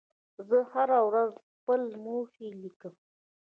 زه هره ورځ خپل موخې لیکم.